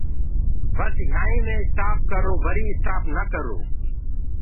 بس يهآنٚ ئي مينٚ اِسٽآپ ڪرو وري اِسٽآپ نآ ڪرو۔